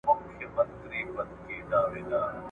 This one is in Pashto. د ژورو اوبو غېږ کي یې غوټې سوې ,